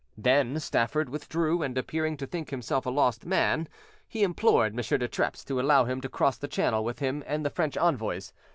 Then Stafford withdrew, and, appearing to think himself a lost man, he implored M. de Trappes to allow him to cross the Channel with him and the French envoys.